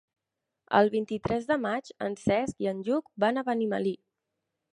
El vint-i-tres de maig en Cesc i en Lluc van a Benimeli.